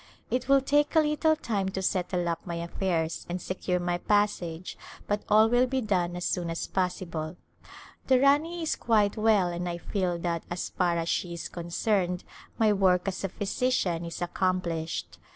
It will take a little time to settle up my affairs and secure my passage but all will be done as soon as possible. A Glimpse of India The Rani is quite well and I feel that as far as she is concerned my work as a physician is accomplished.